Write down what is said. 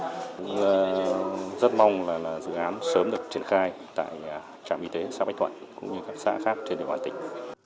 rất mong là dự án sớm được triển khai tại trạm y tế xã bách thuận cũng như các xã khác trong địa bàn tỉnh